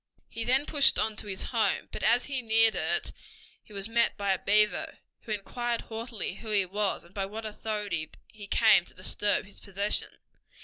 He then pushed on to his home, but as he neared it he was met by a beaver, who inquired haughtily who he was, and by what authority he came to disturb his possession.